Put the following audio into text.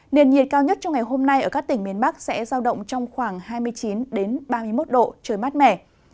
nền nhiệt cao nhất trong ngày hôm nay ở các tỉnh miền bắc sẽ giao động trong khoảng hai mươi chín ba mươi một độ trời mát mẻ